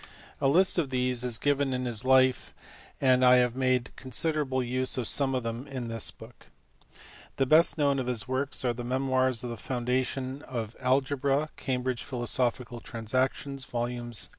A list of these is given in his life, and I have made considerable use of some of them in this book. The best known of his works are the memoirs on the founda tion of algebra, Cambridge Philosophical Transactions, vols.